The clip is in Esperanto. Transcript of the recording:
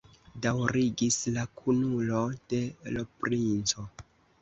daŭrigis la kunulo de l' princo.